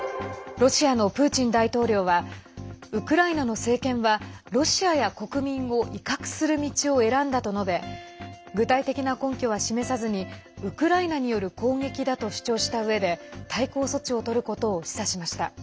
ロシアのプーチン大統領はウクライナの政権はロシアや国民を威嚇する道を選んだと述べ具体的な根拠は示さずにウクライナによる攻撃だと主張したうえで対抗措置をとることを示唆しました。